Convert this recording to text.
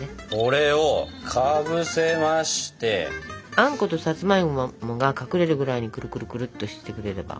あんことさつまいもが隠れるぐらいにくるくるくるっとしてくれれば。